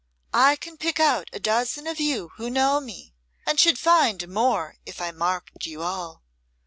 "I can pick out a dozen of you who know me, and should find more if I marked you all.